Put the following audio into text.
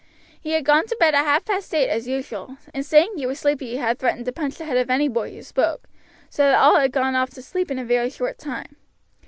He had gone to bed at half past eight as usual, and saying he was sleepy had threatened to punch the head of any boy who spoke, so that all had gone off to sleep in a very short time.